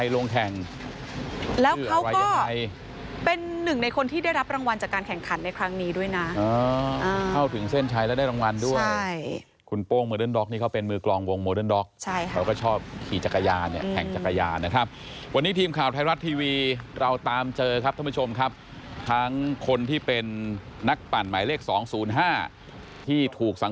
แล้วหมายเลขนี้ใครลงแข่ง